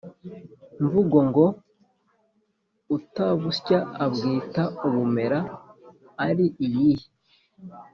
mvugo ngo: “utabusya abwita ubumera”ari iyihe?